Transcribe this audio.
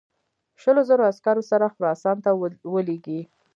شلو زرو عسکرو سره خراسان ته ولېږي.